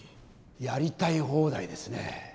やりたい放題ですね。